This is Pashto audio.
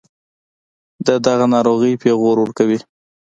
دَدغه ناروغۍپېغور ورکوي